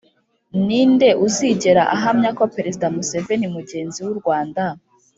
ninde uzigera ahamya ko perezida museveni mugenzi w'u rwanda